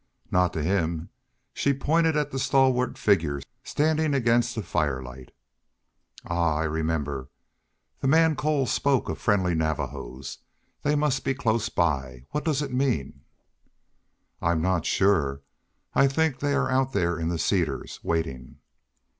"Not to him." She pointed at the stalwart figure standing against the firelight. "Ah! I remember. The man Cole spoke of friendly Navajos. They must be close by. What does it mean?" "I'm not sure. I think they are out there in the cedars, waiting."